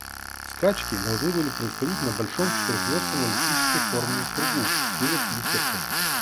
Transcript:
Скачки должны были происходить на большом четырехверстном эллиптической формы кругу пред беседкой.